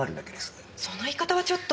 その言い方はちょっと。